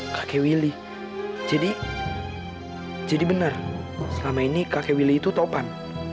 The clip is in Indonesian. kakek willy jadi jadi benar selama ini kakek willy itu topan